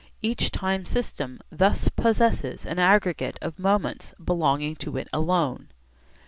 Each time system thus possesses an aggregate of moments belonging to it alone.